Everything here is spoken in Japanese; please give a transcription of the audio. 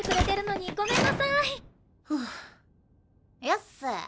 よっす。